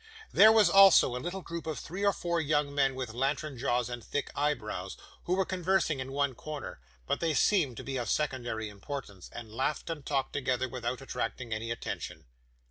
There was, also, a little group of three or four young men with lantern jaws and thick eyebrows, who were conversing in one corner; but they seemed to be of secondary importance, and laughed and talked together without attracting any attention.